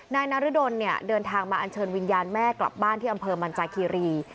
นายนรดลเนี่ยเดินทางมาอัญเชิญวิญญาณแม่กลับบ้านที่อำเภอมันจาคีรี